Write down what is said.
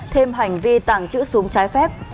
thêm hành vi tàng trữ súng trái phép